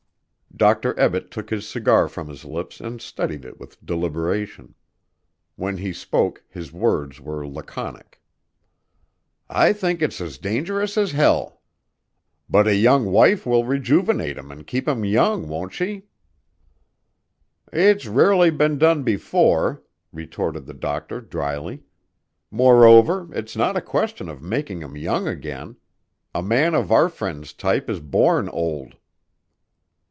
Dr. Ebbett took his cigar from his lips and studied it with deliberation. When he spoke his words were laconic. "I think it's as dangerous as hell." "But a young wife will rejuvenate him and keep him young, won't she?" "It's rarely been done before," retorted the doctor drily. "Moreover, it's not a question of making him young again. A man of our friend's type is born old."